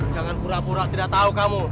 jangan burak burak tidak tahu kamu